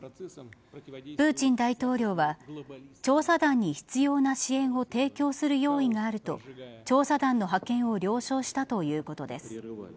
プーチン大統領は調査団に必要な支援を提供する用意があると調査団の派遣を了承したということです。